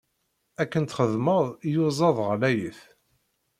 Akken txedmeḍ, iyuzaḍ ɣlayit.